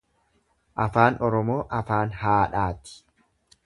Afaan Oromoo afaan haadhaati.